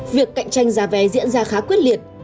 việc cạnh tranh giá vé diễn ra khá quyết liệt